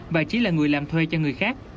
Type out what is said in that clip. và chỉ là người làm thuê cho người khác